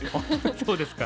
そうですか。